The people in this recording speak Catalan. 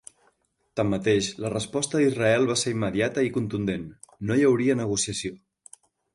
Tanmateix, la resposta d'Israel va ser immediata i contundent: no hi hauria negociació.